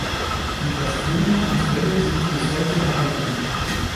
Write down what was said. Die Bastionen und Wälle sind bis heute erhalten.